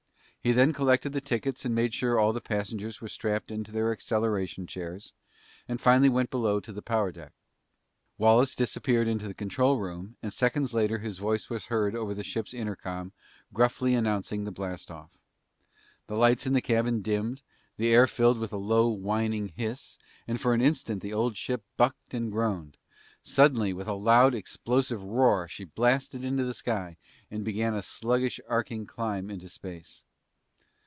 He then collected the tickets and made sure all the passengers were strapped into their acceleration chairs and finally went below to the power deck. Wallace disappeared into the control room and seconds later his voice was heard over the ship's intercom gruffly announcing the blast off. The lights in the cabin dimmed, the air was filled with a low whining hiss, and for an instant the old ship bucked and groaned. Suddenly, with a loud explosive roar, she blasted into the sky and began a sluggish arching climb into space.